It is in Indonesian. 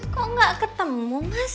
kok gak ketemu mas